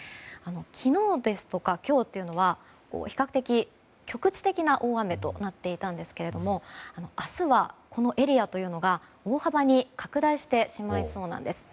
昨日ですとか今日は比較的、局地的な大雨となっていたんですが明日はこのエリアが大幅に拡大して存在しそうなんです。